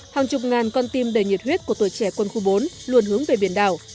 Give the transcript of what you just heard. hàng chục ngàn con tim đầy nhiệt huyết của tuổi trẻ quân khu bốn luôn hướng về biển đảo